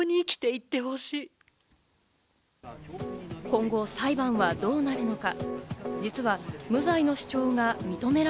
今後、裁判はどうなるのか。